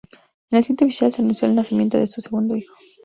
En el sitio oficial se anunció el nacimiento de su segundo hijo.